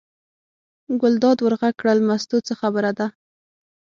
ګلداد ور غږ کړل: مستو څه خبره ده.